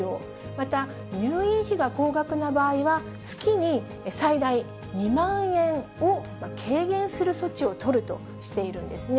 また、入院費が高額な場合は、月に最大２万円を軽減する措置を取るとしているんですね。